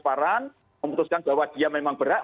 kalau itu kelas transparan memutuskan bahwa dia memang berat